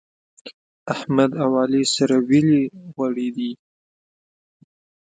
احمد او علي سره ويلي غوړي دي.